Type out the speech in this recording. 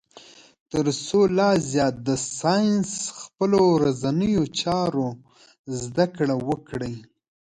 تر څو لا زیات د ساینس خپلو ورځنیو چارو زده کړه وکړي.